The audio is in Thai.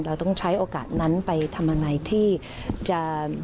เราต้องใช้โอกาสนั้นไปทำอะไรที่จะ